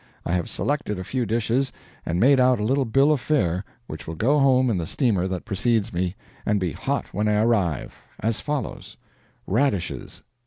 I have selected a few dishes, and made out a little bill of fare, which will go home in the steamer that precedes me, and be hot when I arrive as follows: Radishes.